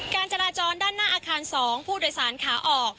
การจราจรด้านหน้าอาคาร๒ผู้โดยสารขาออก